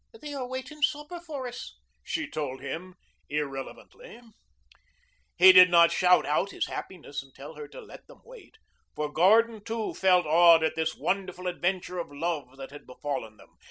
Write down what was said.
"They are waiting supper for us," she told him irrelevantly. He did not shout out his happiness and tell her to let them wait. For Gordon, too, felt awed at this wonderful adventure of love that had befallen them.